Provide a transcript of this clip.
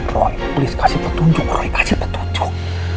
roy please kasih petunjuk